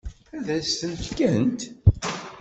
Ad s-ten-fkent?